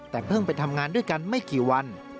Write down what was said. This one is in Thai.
แต่เพิ่งไปทำงานด้วยกันไม่กี่วัน